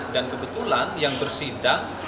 dan kebetulan yang bersidang